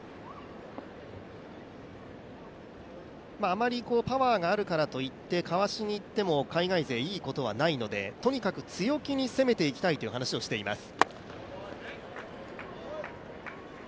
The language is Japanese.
あまりパワーがあるからといって交わしにいっても海外勢、いいことはないので、とにかく強気に攻めていきたいという話をしています。